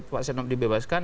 pak senop dibebaskan